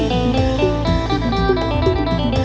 เธอไม่รู้ว่าเธอไม่รู้